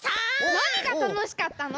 なにがたのしかったの？